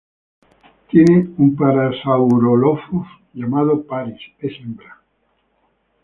Tiene un Parasaurolophus llamado Paris, es hembra.